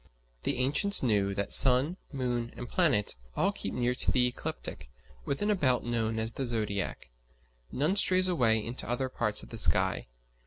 The ancients knew that sun moon and planets all keep near to the ecliptic, within a belt known as the zodiac: none strays away into other parts of the sky.